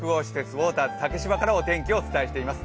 ウォーターズ竹芝からお天気をお伝えしています。